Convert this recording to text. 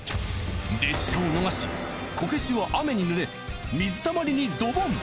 列車を逃しこけしは雨に濡れ水たまりにドボン！